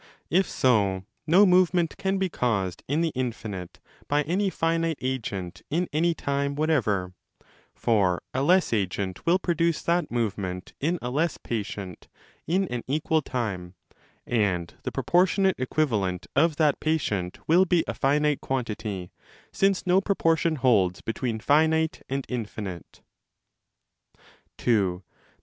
If so, 10 no movement can be caused in the infinite* by any finite agent in any time whatever. For a less agent will produce that movement in a less patient in an equal time, and the proportionate equivalent of that patient will be a finite * Because an infinite place cannot exclude, or be 'other' than, any finite place.